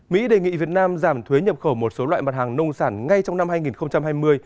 mỹ đề nghị việt nam giảm thuế nhập khẩu một số loại mặt hàng nông sản ngay trong năm hai nghìn hai mươi